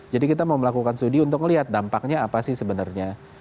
kita mau melakukan studi untuk melihat dampaknya apa sih sebenarnya